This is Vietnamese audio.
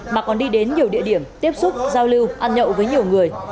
mà còn đi đến nhiều địa điểm tiếp xúc giao lưu ăn nhậu với nhiều người